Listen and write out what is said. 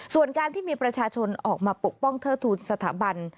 ส่วนการที่มีประชาชนออกมาปกป้องเทิดทูลสถาบัน